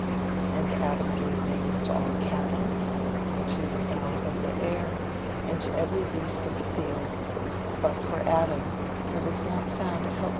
"And Adam gave names to all cattle, and to the fowl of the air, and to every beast of the field; but for Adam there was not found a helpmeet for him.